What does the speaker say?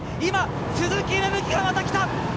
鈴木芽吹がまた来た！